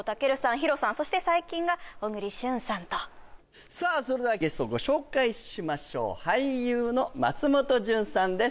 ＨＩＲＯさんそして最近が小栗旬さんとさあそれではゲストをご紹介しましょう俳優の松本潤さんです